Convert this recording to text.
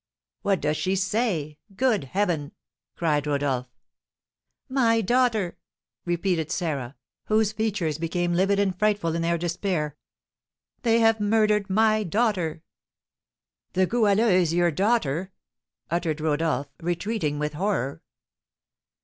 "What does she say? Good heaven!" cried Rodolph. "My daughter!" repeated Sarah, whose features became livid and frightful in their despair. "They have murdered my daughter!" "The Goualeuse your daughter!" uttered Rodolph, retreating with horror.